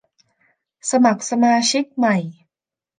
สมัครสมาชิกใหม่